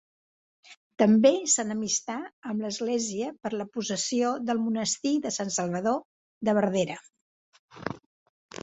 També s'enemistà amb l'església per la possessió del monestir de Sant Salvador de Verdera.